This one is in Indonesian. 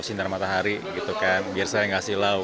untuk sinar matahari gitu kan biar saya gak silau